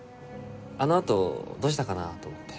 あのあとどうしたかなと思って。